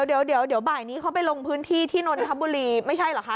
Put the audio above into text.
เดี๋ยวบ่ายนี้เขาไปลงพื้นที่ที่นนทบุรีไม่ใช่เหรอคะ